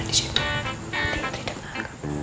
di situ nanti tri denger